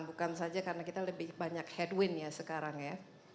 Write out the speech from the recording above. bukan saja karena kita lebih banyak headwind ya sekarang ya